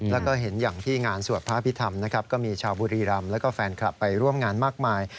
แล้วก็เห็นอย่างที่งานสวดพระพิธรรมนะครับก็มีชาวบุรีรำแล้วก็แฟนคลับไปร่วมงานมากมาย